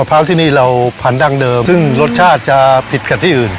พร้าวที่นี่เราพันดั้งเดิมซึ่งรสชาติจะผิดกับที่อื่น